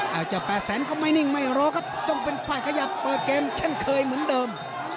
อาจจะ๘แสนก็ไม่นิ่งไม่รอครับต้องเป็นฝ่ายขยับเปิดเกมเช่นเคยเหมือนเดิม